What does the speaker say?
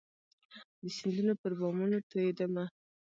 د سیندونو پر بامونو توئيدمه